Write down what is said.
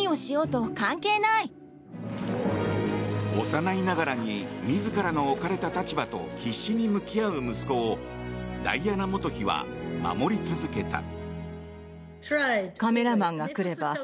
幼いながらに自らの置かれた立場と必死に向き合う息子をダイアナ元妃は守り続けた。